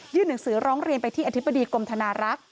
หนังสือร้องเรียนไปที่อธิบดีกรมธนารักษ์